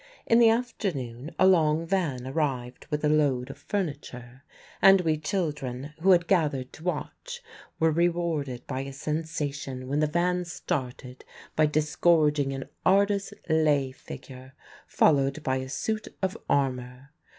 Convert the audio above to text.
In the afternoon a long van arrived with a load of furniture; and we children who had gathered to watch were rewarded by a sensation when the van started by disgorging an artist's lay figure, followed by a suit of armour.